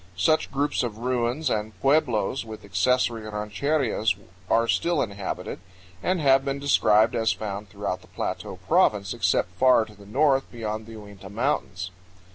Such groups of ruins and pueblos with accessory rancherías are still inhabited, and have been described as found throughout the Plateau Province except far to the north beyond the Uinta Mountains.